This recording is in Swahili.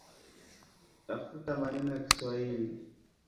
Tafuta maneno ya kiswahili